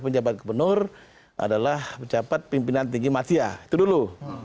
penjabat gubernur adalah penjabat pimpinan tinggi masyarakat itu dulu